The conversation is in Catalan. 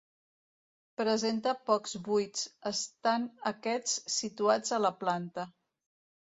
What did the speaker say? Presenta pocs buits, estant aquests situats a la planta.